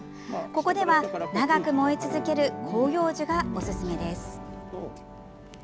ここでは、長く燃え続ける広葉樹がおすすめです。